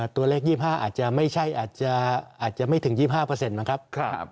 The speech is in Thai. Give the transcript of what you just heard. ตัวเลข๒๕อาจจะไม่ใช่อาจจะไม่ถึง๒๕มั้งครับ